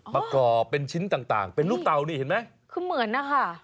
ประกอบเป็นชิ้นต่างเป็นลูกเตานี่เห็นไหมคือเหมือนนะคะ